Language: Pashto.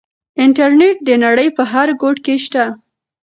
انټرنيټ د نړۍ په هر ګوټ کې شته.